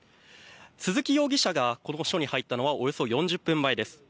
鈴木容疑者がこの署に入ったのはおよそ４５分前です。